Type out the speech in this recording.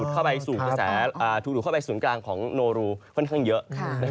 เพราะว่าถูกหลุดเข้าไปสูงกลางของโนรูค่อนข้างเยอะ